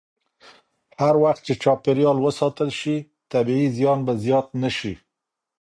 هر وخت چې چاپېریال وساتل شي، طبیعي زیان به زیات نه شي.